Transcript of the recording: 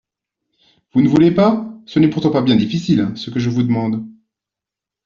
Vous ne voulez pas ? Ce n'est pourtant pas bien difficile, ce que je vous demande.